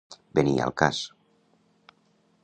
Venir al cas.